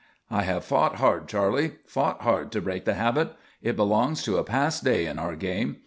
"I have fought hard, Charley; fought hard to break the habit. It belongs to a past day in our game.